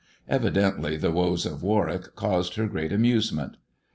Evidently the woes of Warwick caused her great amusement.